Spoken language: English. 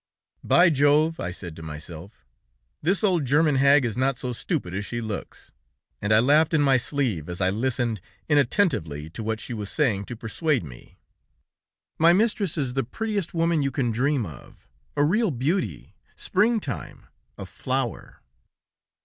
'By Jove!' I said to myself, 'this old German hag is not so stupid as she looks!' And I laughed in my sleeve, as I listened inattentively to what she was saying to persuade me. "'My mistress is the prettiest woman you can dream of; a real beauty; springtime! A flower!'